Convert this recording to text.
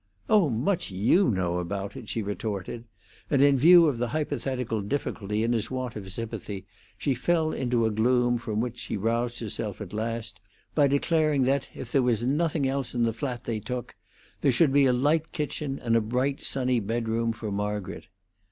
"Oh, much you know about it!" she retorted; and, in view of the hypothetical difficulty and his want of sympathy, she fell into a gloom, from which she roused herself at last by declaring that, if there was nothing else in the flat they took, there should be a light kitchen and a bright, sunny bedroom for Margaret.